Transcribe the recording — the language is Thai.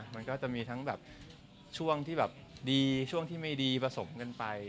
มันก็จะมีทั้งแบบช่วงที่แบบดีช่วงที่ไม่ดีผสมกันไป